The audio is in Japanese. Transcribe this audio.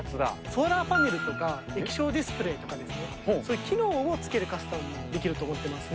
ソーラーパネルとか、液晶ディスプレーとかですね、そういう機能をつけるカスタムもできると思ってますし。